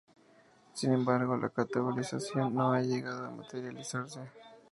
Sin embargo, la catalogación no ha llegado a materializarse.